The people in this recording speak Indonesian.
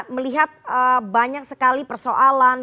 melihat banyak sekali persoalan